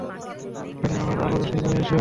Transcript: আমার উঠোনে আবার আলোর রশ্মি নিয়ে এসো।